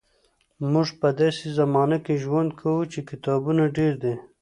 موږ په داسې زمانه کې ژوند کوو چې کتابونه ډېر دي.